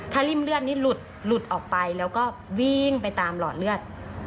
ถ้าริ่มเลือดนี่หลุดออกไปแล้วก็วิ่งไปตามหลอดเลือด